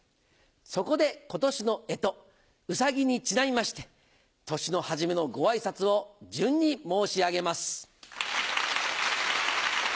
そこで今年の干支ウサギにちなみまして年の初めのご挨拶を順に申し上げます。